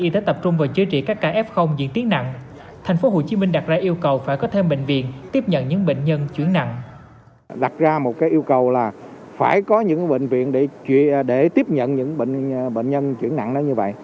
đặt ra một yêu cầu là phải có những bệnh viện để tiếp nhận những bệnh nhân chuyển nặng như vậy